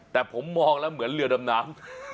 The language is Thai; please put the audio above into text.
แต่ผมมองแล้วเหมือนเรือดำน้ำ